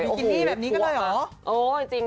อ๋อภัรกาปีกินี่แบบนี้ก็เลยเหรอโอ้โหจริง